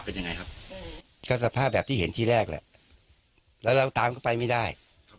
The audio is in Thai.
อืมก็สภาพแบบที่เห็นที่แรกแหละแล้วเราตามเขาไปไม่ได้